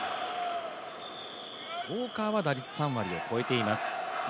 ウォーカーは打率３割を超えています。